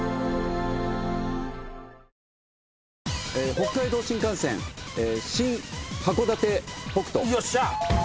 北海道新幹線新函館北斗。